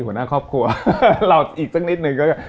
หัวหน้าครอบครัวเราอีกสักนิดนึงก็จะ